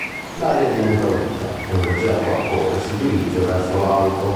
L'aria diventa umida e un leggero vapore si dirige verso l'alto.